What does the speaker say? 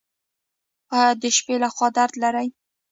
ایا د شپې لخوا درد لرئ؟